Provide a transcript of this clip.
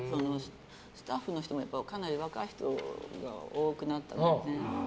スタッフの人もかなり若い人が多くなったから。